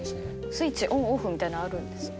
スイッチオンオフみたいなのあるんですね。